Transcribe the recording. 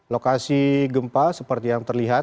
lokasi gempa seperti yang terlihat